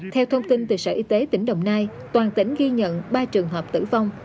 theo thông tin từ sở y tế tỉnh đồng nai toàn tỉnh ghi nhận ba trường hợp tử vong